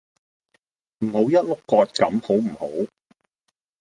唔好一碌葛咁好唔好